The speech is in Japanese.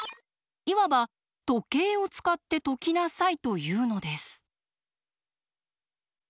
いわば「時計を使って解きなさい」というのです。